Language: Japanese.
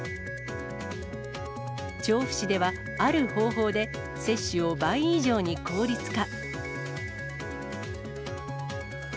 調布市ではある方法で、接種を倍以上に効率化。